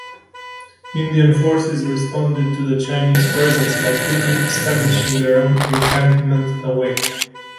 Indian forces responded to the Chinese presence by quickly establishing their own encampment away.